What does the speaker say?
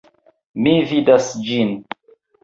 Mi vidas ĝin!